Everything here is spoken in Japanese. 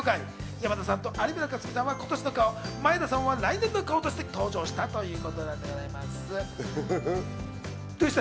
山田さんと有村架純さんは今年の顔、眞栄田さんは来年の顔として登場したんです。